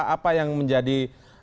apa yang menjadi